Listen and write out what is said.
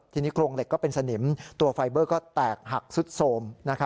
ทีนี้โครงเหล็กก็เป็นสนิมตัวไฟเบอร์ก็แตกหักสุดโสม